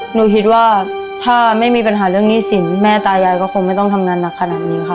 หนูคิดว่าถ้าไม่มีปัญหาเรื่องหนี้สินแม่ตายายก็คงไม่ต้องทำงานหนักขนาดนี้ค่ะ